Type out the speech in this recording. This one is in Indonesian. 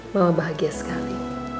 mama bahagia sekali